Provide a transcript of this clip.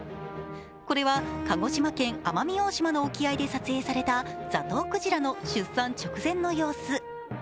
これは鹿児島県奄美大島北部の沖合で撮影されたザトウクジラの出産直前の様子。